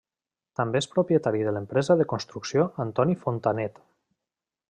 També és propietari de l'empresa de construcció Antoni Fontanet.